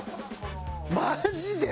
マジで？